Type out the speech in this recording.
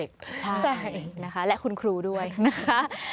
ใช่นะคะและคุณครูด้วยนะคะ